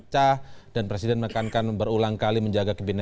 ya sekali lagi